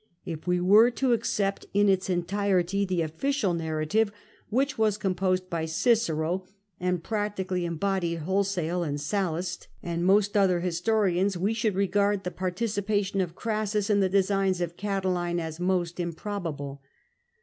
If we were to accept in its entirety the official narrative, which was composed by Cicero, and practically embodied wholesale in Sallust i 82 CRASSUS and most other historians, we should regard the par ticipation of Crassus in the designs of Catiline as most improbable.